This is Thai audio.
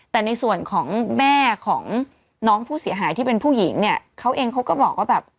แต่ในส่วนของแม่ของน้องผู้เสียหายที่เป็นผู้หญิงเนี่ยเขาเองเขาก็บอกว่าแบบ